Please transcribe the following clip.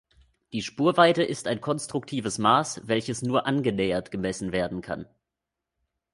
Die Spurweite ist ein konstruktives Maß, welches nur angenähert gemessen werden kann.